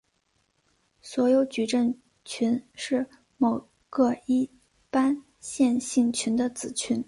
所有矩阵群是某个一般线性群的子群。